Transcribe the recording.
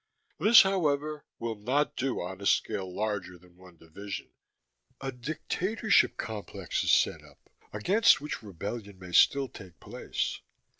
This, however, will not do on a scale larger than one division: a dictatorship complex is set up, against which rebellion may still take place.